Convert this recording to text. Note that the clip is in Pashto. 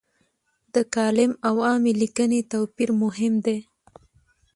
د کالم او عامې لیکنې توپیر مهم دی.